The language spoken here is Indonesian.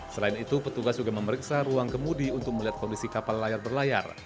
selain itu petugas juga memeriksa ruang kemudi untuk melihat kondisi kapal layar berlayar